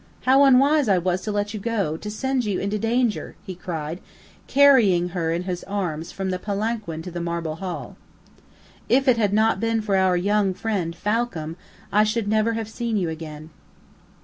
How unwise I was to let you go, to send you into danger," he cried, carrying her in his arms from the palanquin to the marble hall. "If it had not been for our young friend, Falcam, I should never have seen you again."